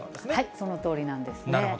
そのとおりなんですね。